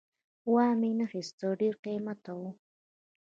وامې نه خیسته ډېر قیمته وو